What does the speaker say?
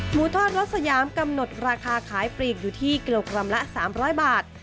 ทอดรถสยามกำหนดราคาขายปลีกอยู่ที่กิโลกรัมละ๓๐๐บาท